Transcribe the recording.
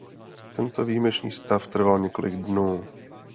Tento výjimečný stav trval několik dnů.